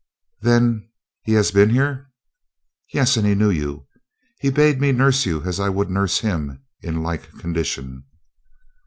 Then he has been here?" "Yes, and knew you. He bade me nurse you as I would nurse him in like condition."